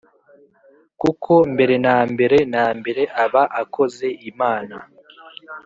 kuko mbere na mbere na mbere aba akoze imana